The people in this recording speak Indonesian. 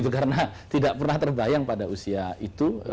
karena tidak pernah terbayang pada usia itu